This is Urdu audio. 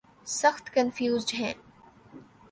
سخت کنفیوزڈ ہیں۔